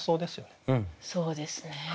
そうですね。